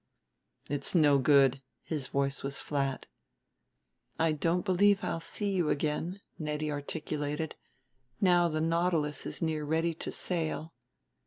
"It's no good," his voice was flat. "I don't believe I'll see you again," Nettie articulated; "now the Nautilus is near ready to sail.